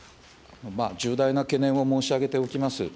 重大な懸念を申し上げておきます。